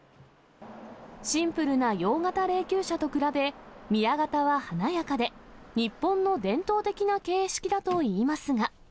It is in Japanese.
シンプルな洋型霊きゅう車と比べ、宮型は華やかで日本の伝統的な形式だといいますが。